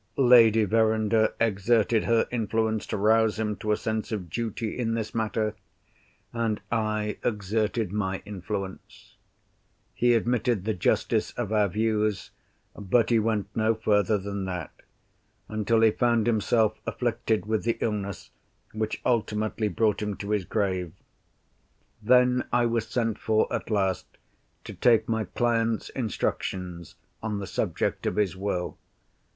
Lady Verinder exerted her influence to rouse him to a sense of duty in this matter; and I exerted my influence. He admitted the justice of our views—but he went no further than that, until he found himself afflicted with the illness which ultimately brought him to his grave. Then, I was sent for at last, to take my client's instructions on the subject of his will.